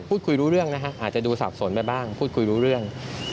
พูดคุยรู้เรื่องนะฮะอาจจะดูสับสนไปบ้างพูดคุยรู้เรื่อง